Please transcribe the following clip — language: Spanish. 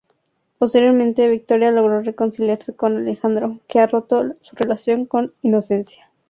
Posteriormente, Victoria logra reconciliarse con Alejandro, que ha roto su relación con Inocencia.